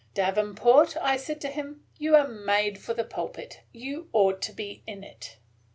'davenport,' said I to him, 'you are made for the pulpit; you ought to be in it.'